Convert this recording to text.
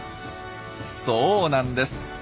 そうなんです。